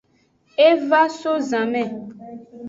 E va so zanme.